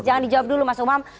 jangan dijawab dulu mas umam